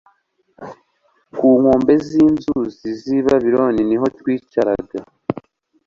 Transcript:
ku nkombe z'inzuzi z'i babiloni ni ho twicaraga